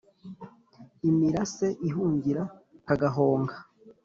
imirase ihungira kagahonga